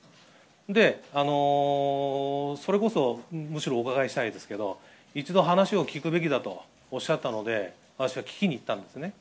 で、それこそ、むしろお伺いしたいですけど、一度話を聞くべきだとおっしゃったので、私は聞きに行ったんですね。